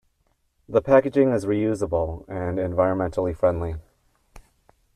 The packaging is reusable and environmentally friendly.